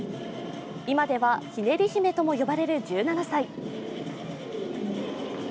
今では、ひねり娘とも呼ばれる１７歳。